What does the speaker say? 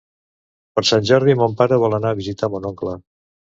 Per Sant Jordi mon pare vol anar a visitar mon oncle.